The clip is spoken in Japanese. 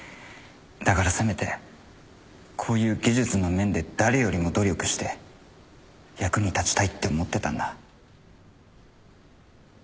だからせめてこういう技術の面で誰よりも努力して役に立ちたいって思ってたんだ。